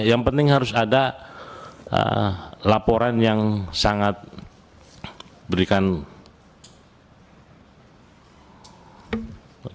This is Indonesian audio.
yang penting harus ada laporan yang sangat diberikan tingkat wakil